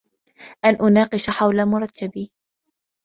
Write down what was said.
ان اناقش حول مرتبي.